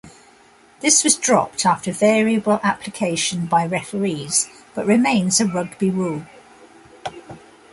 This was dropped after variable application by referees, but remains a rugby rule.